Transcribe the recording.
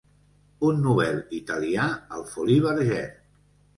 Un Nobel italià al Folies Bergère.